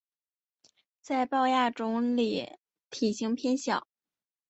在豹亚种里体型偏小。